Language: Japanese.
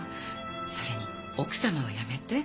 それに奥様はやめて。